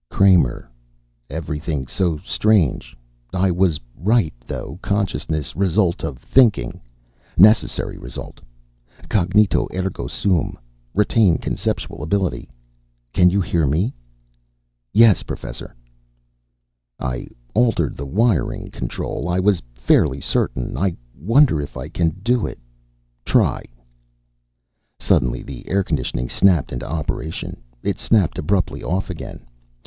"Kramer. Everything so strange. I was right, though. Consciousness result of thinking. Necessary result. Cognito ergo sum. Retain conceptual ability. Can you hear me?" "Yes, Professor " "I altered the wiring. Control. I was fairly certain.... I wonder if I can do it. Try...." Suddenly the air conditioning snapped into operation. It snapped abruptly off again.